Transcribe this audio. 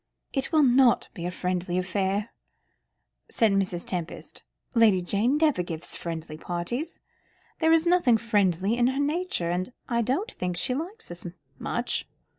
"It will not be a friendly affair," said Mrs. Tempest; "Lady Jane never gives friendly parties. There is nothing friendly in her nature, and I don't think she likes us much.